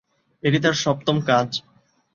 এটি তার সপ্তম কাজ।